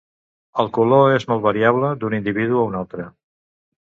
El color és molt variable d'un individu a un altre.